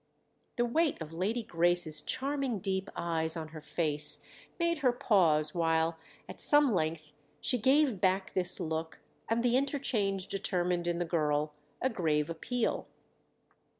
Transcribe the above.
The weight of Lady Grace's charming deep eyes on her face made her pause while, at some length, she gave back this look and the interchange determined in the girl a grave appeal.